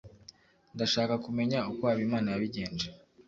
Ndashaka kumenya uko Habimana yabigenje.